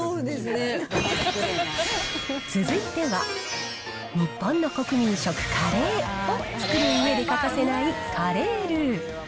続いては、日本の国民食、カレーを作るうえで欠かせないカレールー。